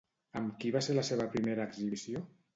Amb qui va ser la seva primera exhibició?